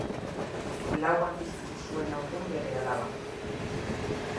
Lau aldiz utzi zuen haurdun bere alaba.